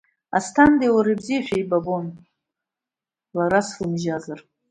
Асҭандеи уареи бзиа шәеибабон, лара слымжьазар.